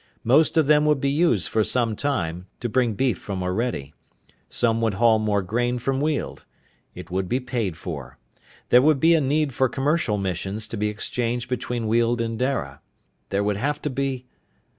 Most of them would be used for some time, to bring beef from Orede. Some would haul more grain from Weald. It would be paid for. There would be a need for commercial missions to be exchanged between Weald and Dara. There would have to be....